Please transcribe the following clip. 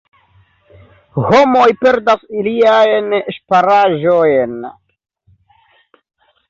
Homoj perdas iliajn ŝparaĵojn.